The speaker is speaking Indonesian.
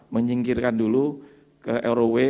menyingkirkan dulu ke rov